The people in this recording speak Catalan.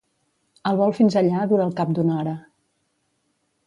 El vol fins allà dura al cap d'una hora.